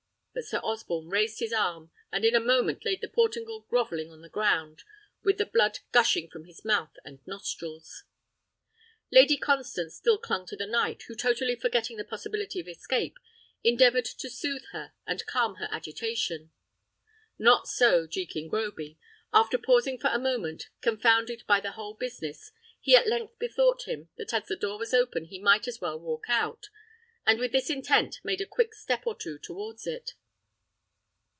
But Sir Osborne raised his arm, and in a moment laid the Portingal grovelling on the ground, with the blood gushing from his mouth and nostrils. Lady Constance still clung to the knight, who totally forgetting the possibility of escape, endeavoured to soothe her and calm her agitation. Not so Jekin Groby: after pausing for a moment, confounded by the whole business, he at length bethought him, that as the door was open he might as well walk out, and with this intent made a quick step or two towards it.